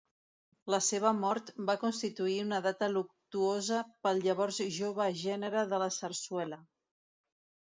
La seva mort va constituir una data luctuosa pel llavors jove gènere de la sarsuela.